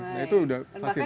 nah itu sudah fasilitas